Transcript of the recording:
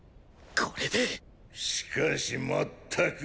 これでっしかし全く。